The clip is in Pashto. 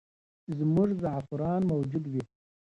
زموږ زعفران موجود وي.